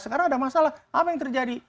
sekarang ada masalah apa yang terjadi